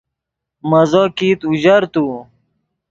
مزو کیت اوژر تو